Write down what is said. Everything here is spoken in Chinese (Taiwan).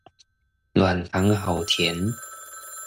軟糖好甜